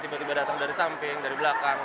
tiba tiba datang dari samping dari belakang